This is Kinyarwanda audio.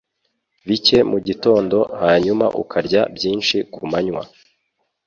bike mugitondo hanyuma ukarya byinshi ku manywa.